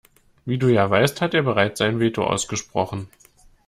Wie du ja weißt, hat er bereits sein Veto ausgesprochen.